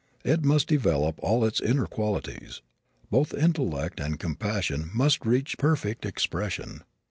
It must develop all its inner qualities. Both intellect and compassion must reach perfect expression.